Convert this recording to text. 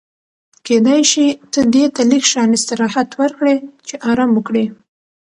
کېدای شي ته دې ته لږ شان استراحت ورکړې چې ارام وکړي.